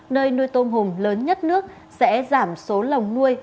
nơi nuôi tôm hùm lớn nhất nước sẽ giảm số lồng nuôi